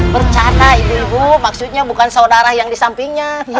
bercana ibu ibu maksudnya bukan saudara yang di sampingnya